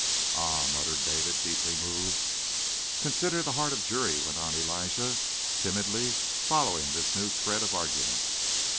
"Ah!" muttered David, deeply moved. "Consider the heart of Juri," went on Elijah, timidly following this new thread of argument.